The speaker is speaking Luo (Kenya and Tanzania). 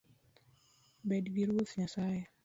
Bedgi Ruoth Nyasaye